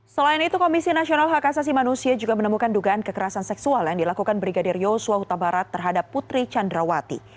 selain itu komisi nasional hak asasi manusia juga menemukan dugaan kekerasan seksual yang dilakukan brigadir yosua huta barat terhadap putri candrawati